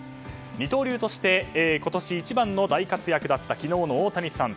二刀流として今年一番の大活躍だった昨日の大谷さん。